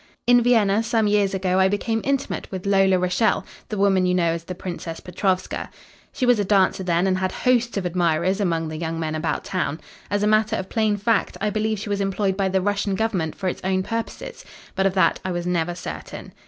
"In Vienna some years ago I became intimate with Lola Rachael the woman you know as the Princess Petrovska. She was a dancer then and had hosts of admirers among the young men about town. As a matter of plain fact, I believe she was employed by the Russian Government for its own purposes. But of that I was never certain.